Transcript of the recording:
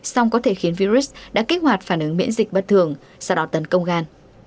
song có thể khiến virus đã kích hoạt phản ứng miễn dịch bất thường sau đó tấn công gan